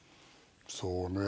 そうね